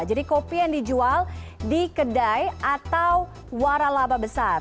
jadi kopi yang dijual di kedai atau waralaba besar